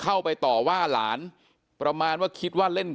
เป็นมีดปลายแหลมยาวประมาณ๑ฟุตนะฮะที่ใช้ก่อเหตุ